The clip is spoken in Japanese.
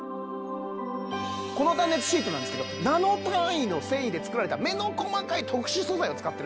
この断熱シートなんですけどナノ単位の繊維で作られた目の細かい特殊素材を使ってるんです。